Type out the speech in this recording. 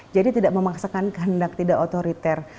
jadi tidak memaksakan kehendak tidak otoriter